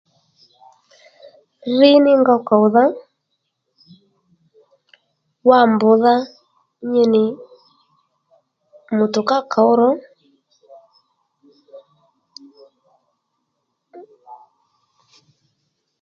Rí ní ngow kòwdha wa mbr̀dha nyi nì mutukar kǒw ro